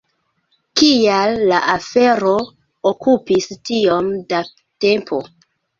Kial la afero okupis tiom da tempo?